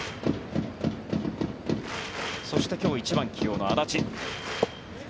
そして、今日１番起用の安達。